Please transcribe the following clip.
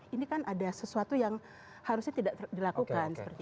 ini kan ada sesuatu yang harusnya tidak dilakukan